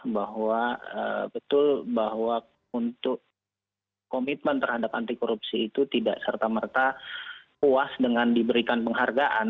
bahwa betul bahwa untuk komitmen terhadap anti korupsi itu tidak serta merta puas dengan diberikan penghargaan